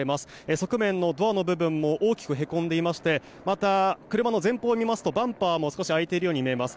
側面のドアの部分も大きくへこんでいましてまた、車の前方を見ますとバンパーも少し開いているように見えます。